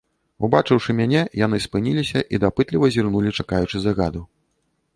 Убачыўшы мяне, яны спыніліся і дапытліва зірнулі, чакаючы загаду.